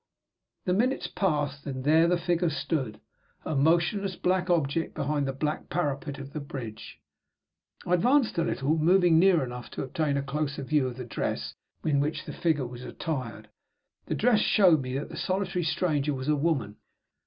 The minutes passed, and there the figure stood, a motionless black object, behind the black parapet of the bridge. I advanced a little, moving near enough to obtain a closer view of the dress in which the figure was attired. The dress showed me that the solitary stranger was a woman.